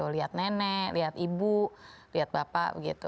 lihat nenek lihat ibu lihat bapak